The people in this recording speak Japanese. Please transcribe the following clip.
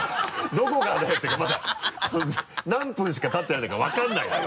どこがだよっていうかまだ何分しかたってないんだから分からないのよ。